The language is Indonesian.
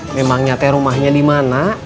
memang nyatain rumahnya dimana